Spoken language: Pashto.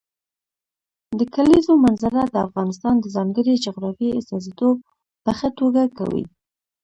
د کلیزو منظره د افغانستان د ځانګړي جغرافیې استازیتوب په ښه توګه کوي.